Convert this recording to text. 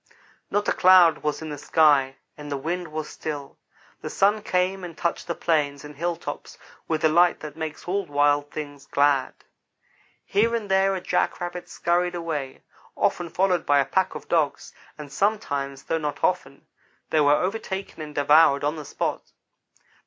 Not a cloud was in the sky, and the wind was still. The sun came and touched the plains and hilltops with the light that makes all wild things glad. Here and there a jackrabbit scurried away, often followed by a pack of dogs, and sometimes, though not often, they were overtaken and devoured on the spot.